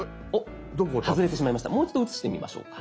もう一度写してみましょうか。